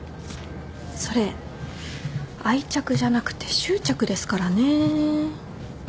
それ愛着じゃなくて執着ですからね。